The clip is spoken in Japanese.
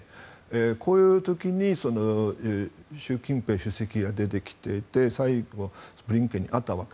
こういう時に習近平主席が出てきていて最後、ブリンケンに会ったわけ。